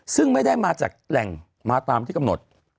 ซึ่งไม่ได้มาจากแหล่งมาตามที่กำหนด